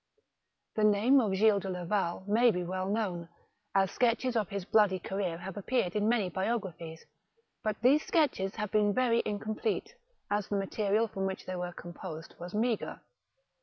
The name of Gilles de Laval may be well known, as sketches of his bloody career have appeared in many biographies, but these sketches have been very incomplete, as the material from which they were composed was meagre.